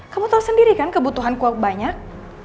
kamu tahu sendiri kan kebutuhan kuak banyak